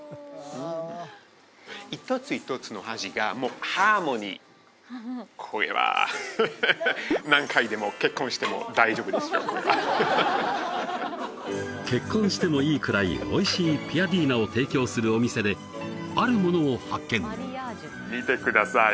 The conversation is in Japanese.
一つ一つの味がもうハーモニーこれはハッハッハッ結婚してもいいくらいおいしいピアディーナを提供するお店であるものを発見見てください